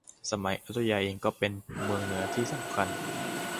สมัยอยุธยาเองก็เป็นหัวเมืองเหนือที่สำคัญ